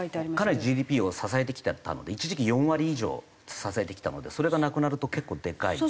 かなりＧＤＰを支えてきた一時期４割以上支えてきたのでそれがなくなると結構でかいですね。